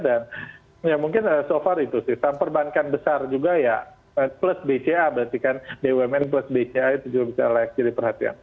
dan mungkin so far itu sih saham perbankan besar juga ya plus bca berarti kan bumn plus bca itu juga bisa layak jadi perhatian